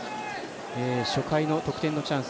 初回の得点のチャンス